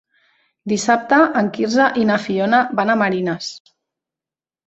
Dissabte en Quirze i na Fiona van a Marines.